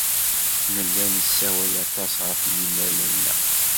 Nella nessawal aṭas ɣef yimal-nneɣ.